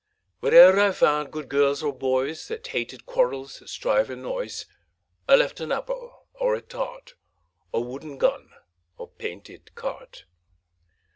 Where e'er I found good girls or boys, That hated quarrels, strife and noise, I left an apple, or a tart, Or wooden gun, or painted cart.